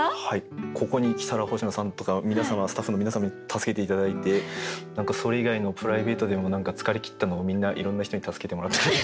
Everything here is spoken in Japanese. ここに来たら星野さんとか皆様スタッフの皆様に助けて頂いて何かそれ以外のプライベートでも何か疲れ切ったのをみんないろんな人に助けてもらったり。